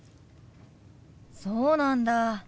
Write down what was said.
そうなんだ。